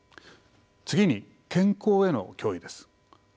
次に健康への脅威です。